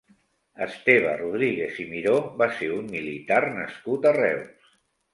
Esteve Rodríguez i Miró va ser un militar nascut a Reus.